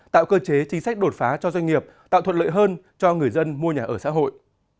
tạo cơ chế chính sách đột phá cho doanh nghiệp tạo thuận lợi hơn cho người dân mua nhà ở xã hội